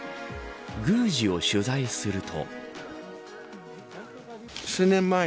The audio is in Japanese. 宮司を取材すると。